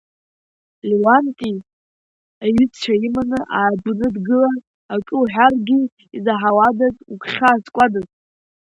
Леуанти, иҩызцәа иманы адәны дгылан, ак уҳәаргьы изаҳауадаз, угәхьаа зкуадаз.